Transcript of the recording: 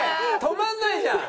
止まらないじゃん。